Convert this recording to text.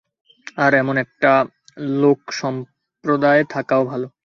আর অমন একটা লোক সম্প্রদায়ে থাকাও ভাল।